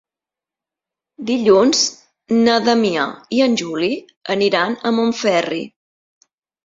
Dilluns na Damià i en Juli aniran a Montferri.